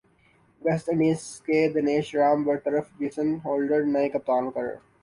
waste Indies کے دنیش رام برطرف Jason Holder نئے کپتان مقرر